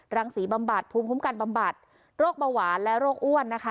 รังศรีบำบัดภูมิคุ้มกันบำบัดโรคเบาหวานและโรคอ้วนนะคะ